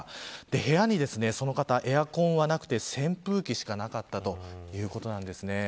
部屋に、その方エアコンはなくて扇風機しかなかったということです。